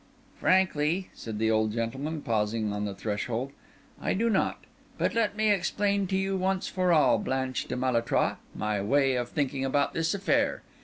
"Frankly," said the old gentleman, pausing on the threshold, "I do. But let me explain to you once for all, Blanche de Malétroit, my way of thinking about this affair.